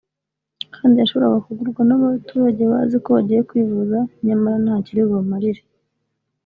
kandi yashoboraga kugurwa n’abaturage bazi ko bagiye kwivuza nyamara ntacyo iri bubamarire